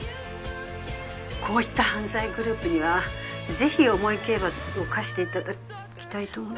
こういった犯罪グループには是非重い刑罰を科して頂きたいと思う。